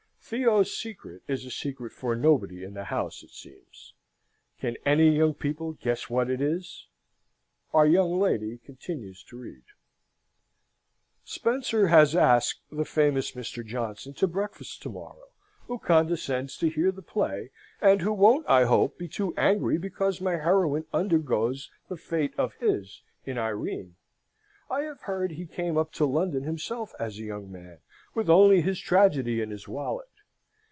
Theo's secret is a secret for nobody in the house, it seems. Can any young people guess what it is? Our young lady continues to read: "'Spencer has asked the famous Mr. Johnson to breakfast to morrow, who condescends to hear the play, and who won't, I hope, be too angry because my heroine undergoes the fate of his in Irene. I have heard he came up to London himself as a young man with only his tragedy in his wallet.